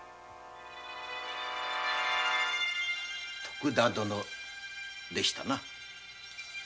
徳田殿でしたな。